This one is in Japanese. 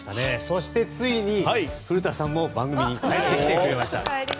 そしてついに、古田さんも番組に帰ってきてくれました。